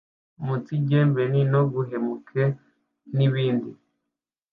umunsigembene, no guhemuke, n’ibindi.